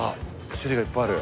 種類がいっぱいある。